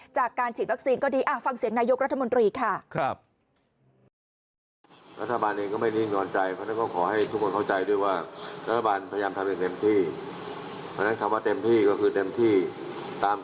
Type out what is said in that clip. จากการฉีดวัคซีนก็ดีฟังเสียงนายกรัฐมนตรีค่ะ